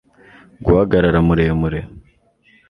guhagarara muremure